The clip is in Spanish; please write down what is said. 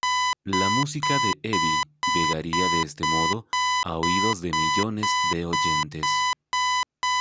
La música de Eddie, llegaría de este modo, a oídos de millones de oyentes.